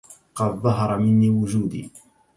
قد ظهر مني وجودي